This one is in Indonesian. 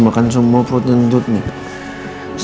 makan semua perut ngedut nih